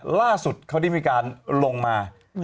ล่าสุดเขาได้มีการลงมา